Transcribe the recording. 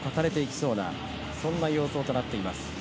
そんな様相となってます。